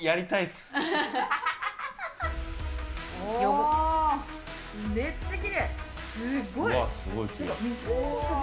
すごい。